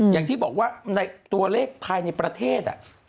อย่างที่บอกว่าในตัวเลขภายในประเทศ